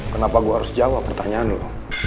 kenapa gue harus jawab pertanyaan lo